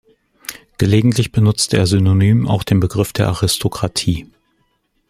Gelegentlich benutzte er synonym auch den Begriff der „Aristokratie“.